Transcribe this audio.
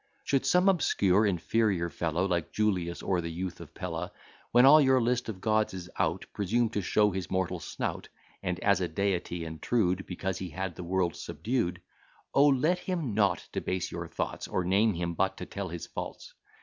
Should some obscure inferior fellow, Like Julius, or the youth of Pella, When all your list of Gods is out, Presume to show his mortal snout, And as a Deity intrude, Because he had the world subdued; O, let him not debase your thoughts, Or name him but to tell his faults.